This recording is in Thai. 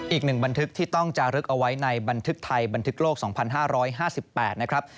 อีกหนึ่งบันทึกที่ต้องจะลึกเอาไว้ในบันทึกไทยบันทึกโลกสองพันห้าร้อยห้าสิบแปดนะครับ